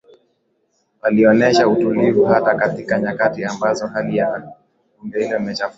Alionesha utulivu hata katika nyakati ambazo hali ya hewa katika bunge hilo ikiwa imechafuka